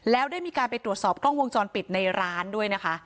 แล้วได้มีการไปตรวจสอบกล้องวงจรปิดในร้านด้วยนะคะ